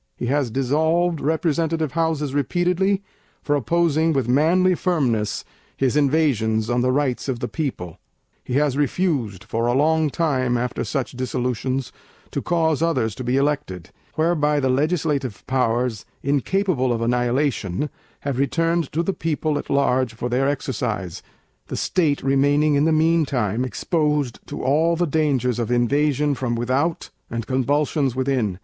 He has dissolved Representative Houses repeatedly, for opposing with manly firmness his invasions on the rights of the people. He has refused for a long time, after such dissolutions, to cause others to be elected; whereby the Legislative Powers, incapable of Annihilation, have returned to the People at large for their exercise; the State remaining in the mean time exposed to all the dangers of invasion from without, and convulsions within.